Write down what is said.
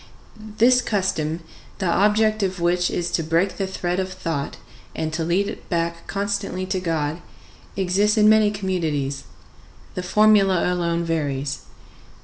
This custom, the object of which is to break the thread of thought and to lead it back constantly to God, exists in many communities; the formula alone varies.